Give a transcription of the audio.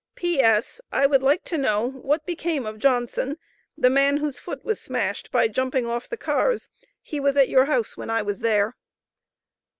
P.S. I would like to know what became of Johnson,[A] the man whose foot was smashed by jumping off the cars, he was at your house when I was there.